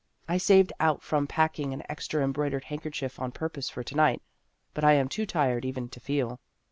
" I saved out from pack ing an extra embroidered handkerchief on purpose for to night, but I am too tired even to feel."